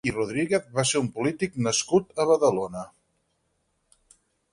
Joan Blanch i Rodríguez va ser un polític nascut a Badalona.